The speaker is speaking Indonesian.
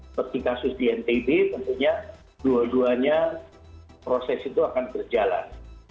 seperti kasus di ntb tentunya dua duanya proses itu akan berjalan